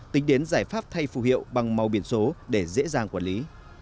tính đến giải pháp thay phù hiệu bằng màu biển số để dễ dàng quản lý